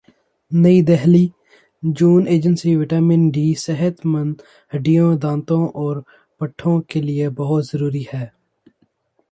نئی Delhi June agency vitamin D صحت مند ہڈیوں دانتوں اور پٹھوں کے لئے بہت ضروری ہے